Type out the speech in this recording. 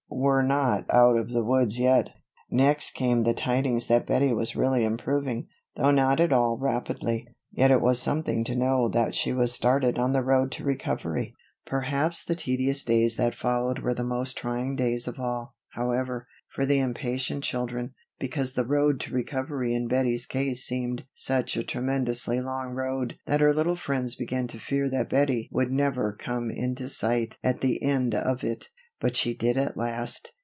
We're not out of the woods yet." Next came the tidings that Bettie was really improving, though not at all rapidly; yet it was something to know that she was started on the road to recovery. Perhaps the tedious days that followed were the most trying days of all, however, for the impatient children; because the "road to recovery" in Bettie's case seemed such a tremendously long road that her little friends began to fear that Bettie would never come into sight at the end of it, but she did at last.